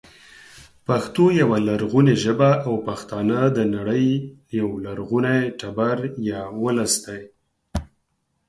پښتو يوه لرغونې ژبه او پښتانه د نړۍ یو لرغونی تبر یا ولس دی